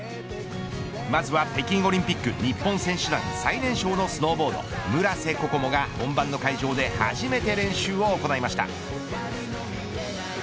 まずは北京オリンピック日本選手団最年少のスノーボード村瀬心椛が本番の会場で初めて練習を行いました。